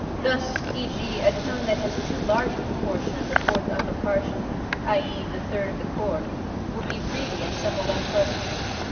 Thus e.g., a tone that has too large a proportion of the fourth upper partial (i.e., the third of the chord) will be reedy and somewhat unpleasant.